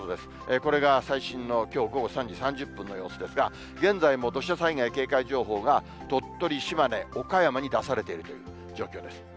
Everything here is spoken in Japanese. これが最新のきょう午後３時３０分の様子ですが、現在も土砂災害警戒情報が、鳥取、島根、岡山に出されているという状況です。